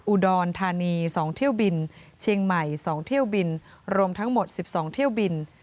อุดรธานี๒เที่ยวบินเชียงใหม่๒เที่ยวบินรวมทั้งหมด๑๒เที่ยวบิน